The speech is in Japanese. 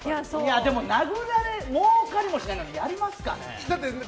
でも、儲かりもしないのにやりますかね。